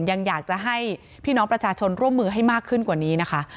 ยังอยากจะให้พี่น้องประชาชนร่วมมือให้มากขึ้นกว่านี้นะคะ